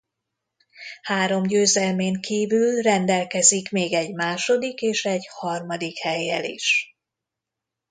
Három győzelmén kívül rendelkezik még egy második és egy harmadik hellyel is.